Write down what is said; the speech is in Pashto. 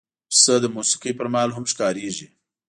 پسه د موسیقۍ پر مهال هم ښکارېږي.